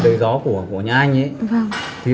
thì để người ta tẩm thuốc ở nhà anh ấy